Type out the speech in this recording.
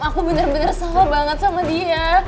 aku bener bener sama banget sama dia